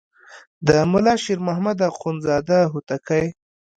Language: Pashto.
د ملا شیر محمد اخوندزاده هوتکی.